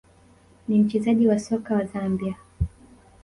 ni mchezaji wa soka wa Zambia